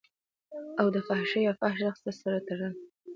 او دفحاشۍ يا فحش رقص سره تړل